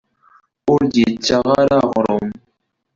Ur d-yettaɣ ara aɣṛum.